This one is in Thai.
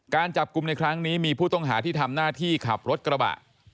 การจับกลุ่มในครั้งนี้มีผู้ต้องหาที่ทำหน้าที่ขับรถกระบะ